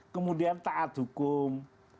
kemudian taat hukum